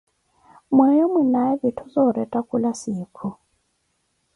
Mweeyo mwinaaye vitthu zooretta khula siikhu.